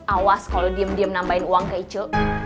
awas kalo diem diem nambahin uang ke ico